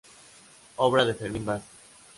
Obra de Fermín Vázquez.